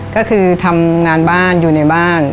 ก็คือทำงานบ้านอยู่ในบ้าน